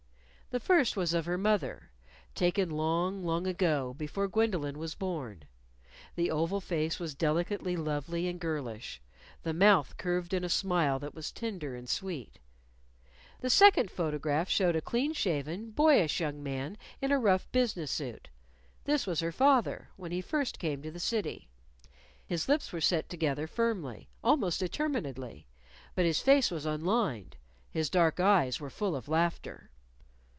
The first was of her mother, taken long, long ago, before Gwendolyn was born. The oval face was delicately lovely and girlish. The mouth curved in a smile that was tender and sweet. The second photograph showed a clean shaven, boyish young man in a rough business suit this was her father, when he first came to the city. His lips were set together firmly, almost determinedly. But his face was unlined, his dark eyes were full of laughter.